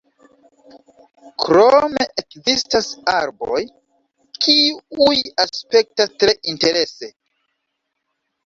Krome ekzistas arboj, kiuj aspektas tre interese.